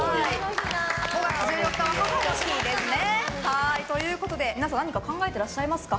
５月１４日は母の日ですね。ということで皆さん何か考えてらっしゃいますか？